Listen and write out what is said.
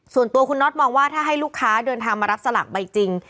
ส่วนตัวคุณน็อตมองว่าถ้าให้ลูกค้าเดินทางมารับสลากใบจริง